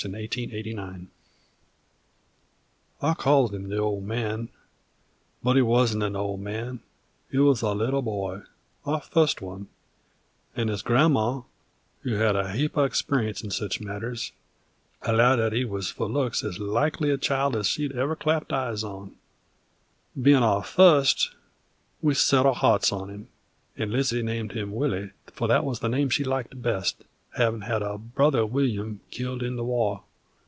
1885. +THE OLD MAN+ THE OLD MAN I called him the Old Man, but he wuzn't an old man; he wuz a little boy our fust one; 'nd his gran'ma, who'd had a heap of experience in sich matters, allowed that he wuz for looks as likely a child as she'd ever clapped eyes on. Bein' our fust, we sot our hearts on him, and Lizzie named him Willie, for that wuz the name she liked best, havin' had a brother Willyum killed in the war.